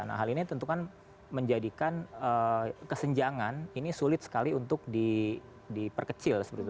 nah hal ini tentu kan menjadikan kesenjangan ini sulit sekali untuk diperkecil seperti itu